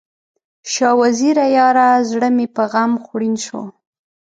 شاه وزیره یاره، زړه مې په غم خوړین شو